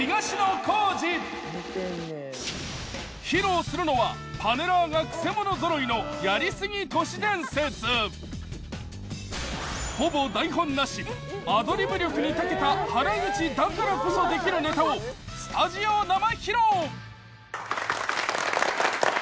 披露するのはパネラーが曲者揃いの『やりすぎ都市伝説』。ほぼ台本なしアドリブ力にたけた原口だからこそできるネタをスタジオ生披露！